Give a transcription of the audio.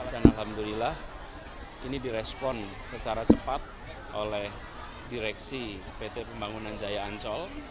dan alhamdulillah ini direspon secara cepat oleh direksi pt pembangunan jaya ancol